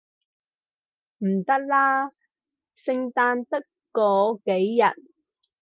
唔得啦，聖誕得嗰幾日